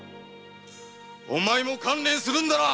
お前も観念するんだな。